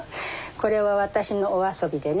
これは私のお遊びでね。